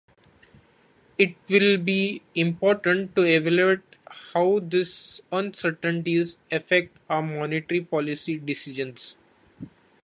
It will be important to evaluate how these uncertainties affect our monetary policy decisions.